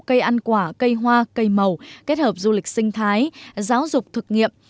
cây ăn quả cây hoa cây màu kết hợp du lịch sinh thái giáo dục thực nghiệm